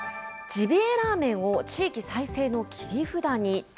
ジビエ・ラーメンを地域再生の切